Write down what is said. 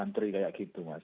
seperti itu mas